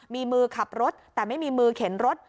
มีมือขับรถแต่ไม่มีมือเข็นรถ